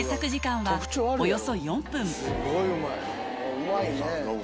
うまいね。